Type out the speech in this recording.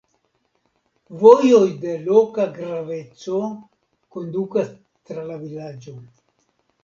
Vojoj de loka graveco kondukas tra la vilaĝo.